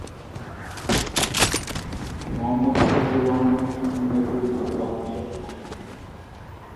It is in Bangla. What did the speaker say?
মোহাম্মদ মুস্তাফিজুর রহমান হচ্ছেন সিঙ্গাপুরে নিযুক্ত বাংলাদেশের হাই কমিশনার।